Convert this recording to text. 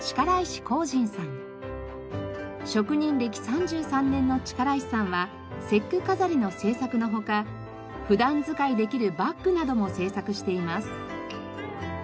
職人歴３３年の力石さんは節句飾りの制作の他普段使いできるバッグなども制作しています。